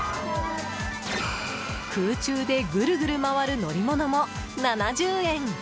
空中でぐるぐる回る乗り物も７０円。